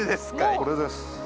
これです。